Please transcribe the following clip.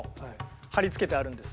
貼り付けてあるんです。